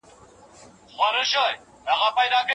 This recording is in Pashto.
اروپایي ټولنه ولي په کابل کي خپل ډیپلوماتیک حضور ساتلی دی؟